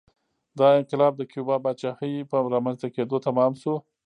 دا انقلاب د کیوبا پاچاهۍ په رامنځته کېدو تمام شو